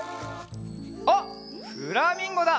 あっフラミンゴだ！